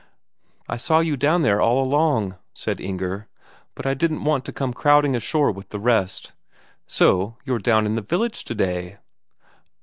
"I saw you down there all along," said Inger. "But I didn't want to come crowding ashore with the rest. So you're down in the village today?"